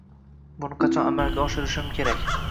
Buni qachon amalga oshirishim kerak